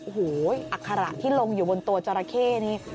โหอัคระที่รงอยู่บนตัวจัราเคนี่